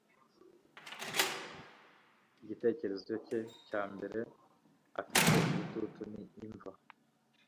Igitekerezo cye cya mbere afite igitutu ni imva